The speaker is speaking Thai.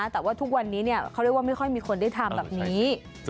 แต่ว่าทุกวันนี้เขาเรียกว่าไม่ค่อยมีคนได้ทำแบบนี้